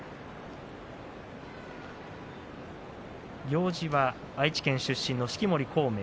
行司は愛知県出身の式守昂明。